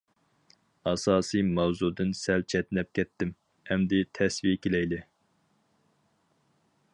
ئاساسىي ماۋزۇدىن سەل چەتنەپ كەتتىم، ئەمدى تەسۋى كېلەيلى.